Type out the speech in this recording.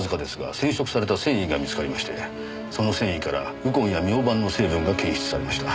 染色された繊維が見つかりましてその繊維からウコンやミョウバンの成分が検出されました。